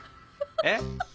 えっ？